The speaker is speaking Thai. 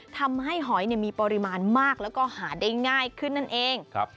ทำให้หอยมีปริมาณมากแล้วก็หาได้ง่ายขึ้นนั่นเอง